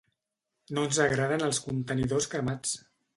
No ens agraden els contenidors cremats.